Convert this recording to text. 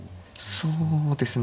そうですね。